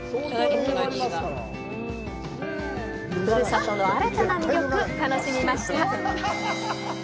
ふるさとの新たな魅力、楽しみました！